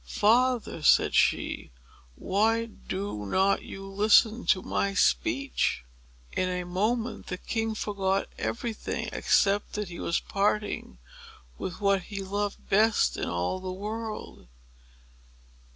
"Father," said she, "why do not you listen to my speech?" In a moment, the king forgot every thing, except that he was parting with what he loved best in all the world.